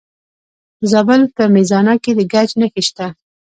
د زابل په میزانه کې د ګچ نښې شته.